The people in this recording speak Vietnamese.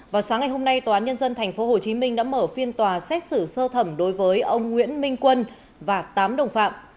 vào sáng ngày hôm nay tòa án nhân dân tp hcm đã mở phiên tòa xét xử sơ thẩm đối với ông nguyễn minh quân và tám đồng phạm